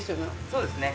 そうですね